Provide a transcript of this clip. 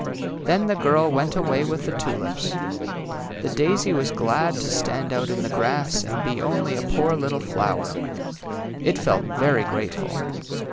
" Then the girl went away with the tulips. The daisy was glad to stand out in the grass and be only a poor little flower. It felt very grateful.